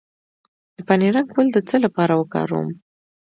د پنیرک ګل د څه لپاره وکاروم؟